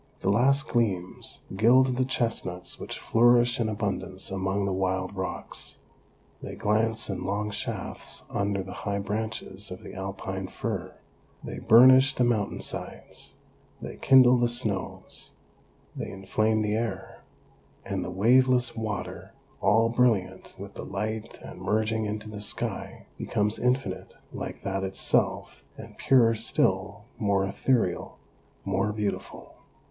The last gleams gild the chestnuts which flourish in abundance among the wild rocks; they glance in long shafts under the high branches of the Alpine fir; they burnish the mountain sides ; they kindle the snows ; they inflame the air, and the waveless water, all brilliant with the light and merging into the sky, becomes infinite like that itself, and purer still, more ethereal, more beautiful.